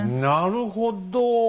なるほど！